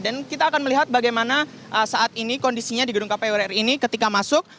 dan kita akan melihat bagaimana saat ini kondisinya di gedung kpu ri ini ketika masuk